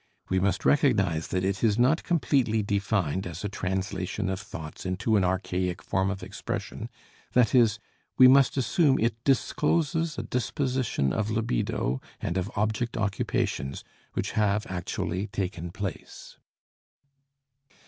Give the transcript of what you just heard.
We must recognize that it is not completely defined as a translation of thoughts into an archaic form of expression, that is, we must assume it discloses a disposition of libido and of object occupations which have actually taken place.